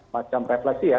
macam refleksi ya